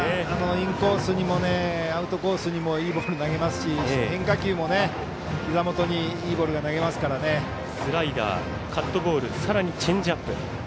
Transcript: インコースにもアウトコースにもいいボール投げますし変化球も、ひざ元にスライダーカットボールさらにチェンジアップ。